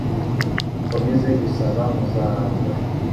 Mukomeze gusaba muzahabwa